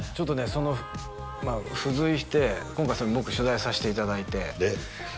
そのまあ付随して今回それ僕取材させていただいてえっ？